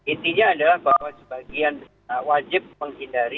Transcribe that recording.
intinya adalah bahwa sebagian besar wajib menghindari